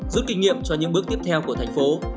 rút kinh nghiệm cho những bước tiếp theo của thành phố